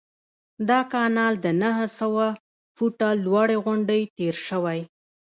دا کانال د نهه سوه فوټه لوړې غونډۍ تیر شوی.